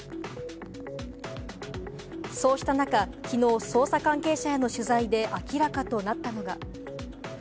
そうした中、きのう捜査関係者への取材で明らかとなったのが。